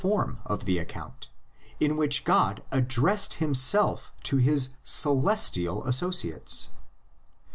form of the account, in which God addressed him self to his celestial associates.